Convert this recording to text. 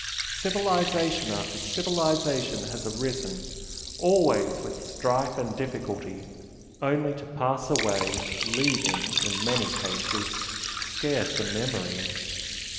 Civilisation after civilisation has arisen always with strife and difficulty, only to pass away, leaving, in many cases, scarce a memory.